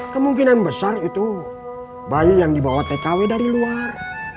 kemungkinan besar itu bayi yang dibawa tkw dari luar